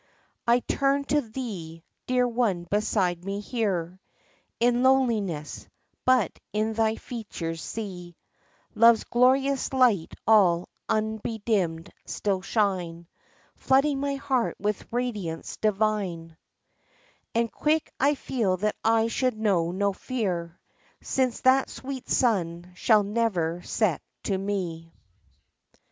I turn to thee, dear one beside me here, In loneliness, but in thy features see Love's glorious light all unbedimmed still shine, Flooding my heart with radiance divine ;— And quick I feel that I should know no fear Since that sweet sun shall never set to me.